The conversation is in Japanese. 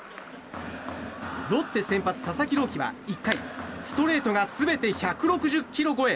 ロッテ先発、佐々木朗希は１回ストレートが全て１６０キロ超え。